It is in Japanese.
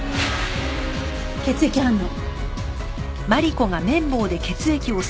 血液反応。